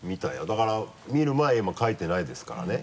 だから見る前今かいてないですからね。